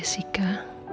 aku kasih kak